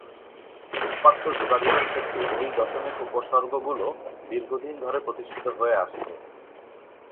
উপাত্ত যোগাযোগের ক্ষেত্রে এই দশমিক উপসর্গগুলো দীর্ঘদিন ধরে প্রতিষ্ঠিত হয়ে আসছে।